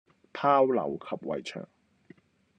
炮樓及圍牆